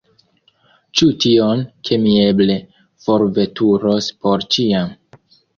Ĉu tion, ke mi eble forveturos por ĉiam?